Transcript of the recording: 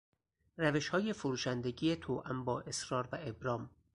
روشهای فروشندگی توام با اصرار و ابرام